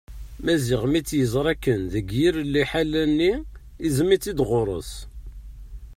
Maziɣ mi tt-yeẓra akken deg yir liḥala-nni iẓmeḍ-itt-id ɣur-s.